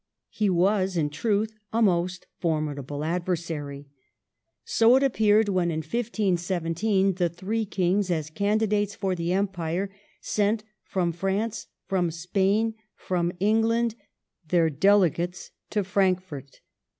Fie was, in truth, a most formidable adversary. So it appeared when, in 15 17, the three Kings, as candidates for the Empire, sent from France, from Spain, from England, their delegates to Frankfort.